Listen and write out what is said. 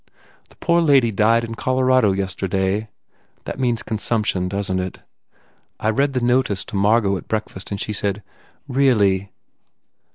The poor lady died in Colorado yesterday That means consumption, doesn t it? I read the notice to Margot at breakfast and she said, Really.